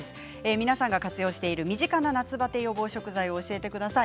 皆さんが活用している身近な夏バテ予防食材を教えてください。